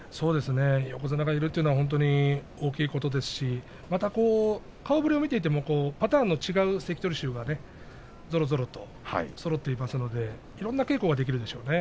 横綱がいるというのは本当に大きいことですしまた顔ぶれを見ていてもパターンが違う関取衆がぞろぞろとそろっていますのでいろんな稽古ができるでしょうね。